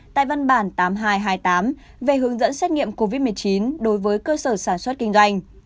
tại văn bản tám nghìn hai trăm hai mươi tám về hướng dẫn xét nghiệm covid một mươi chín đối với cơ sở sản xuất kinh doanh